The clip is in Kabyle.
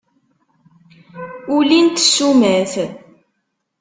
Ulint ssumat.